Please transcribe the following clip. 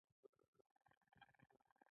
هلته د اهلي کولو لپاره بالقوه سرچینې موجودې وې